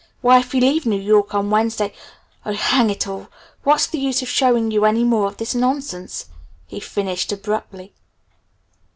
Why if you leave New York on Wednesday Oh, hang it all! What's the use of showing you any more of this nonsense?" he finished abruptly.